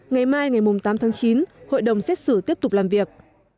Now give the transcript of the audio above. ngày mai ngày tám tháng chín hội đồng xét xử tiếp tục làm việc